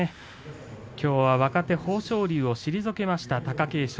きょうは若手豊昇龍を退けました貴景勝。